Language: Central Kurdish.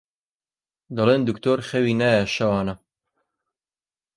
دەڵێن دوکتۆر خەوی نایە شەوانە